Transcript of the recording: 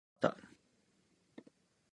かた